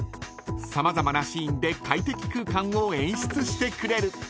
［様々なシーンで快適空間を演出してくれる］